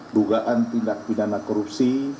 dugaan tindak pidana korupsi